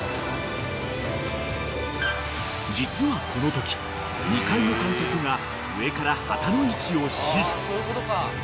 ［実はこのとき２階の観客が上から旗の位置を指示］